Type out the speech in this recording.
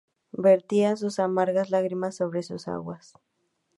Vertía sus amargas lágrimas sobre sus aguas.